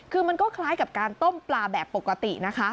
คือมันก็คล้ายกับการต้มปลาแบบปกตินะคะ